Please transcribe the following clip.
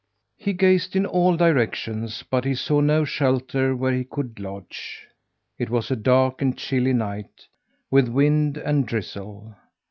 He gazed in all directions, but he saw no shelter where he could lodge. It was a dark and chilly night, with wind and drizzle.